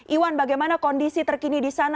iwan bagaimana kondisi terkini di sana